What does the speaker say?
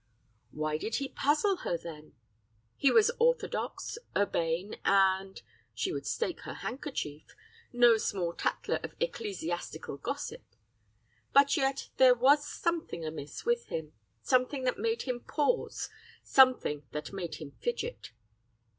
Why did he puzzle her, then? He was orthodox, urbane, and she would stake her handkerchief no small tatler of ecclesiastical gossip, but yet there was something amiss with him, something that made him pause, something that made him fidget.